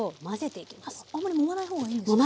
あんまりもまない方がいいんですか？